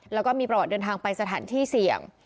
แล้วก็มีประวัติเดินทางไปสถานที่เสี่ยง